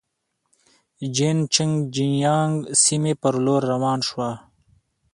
جین چنګ جیانګ سیمې پر لور روان شوو.